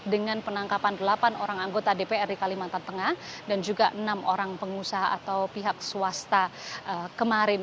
dengan penangkapan delapan orang anggota dpr di kalimantan tengah dan juga enam orang pengusaha atau pihak swasta kemarin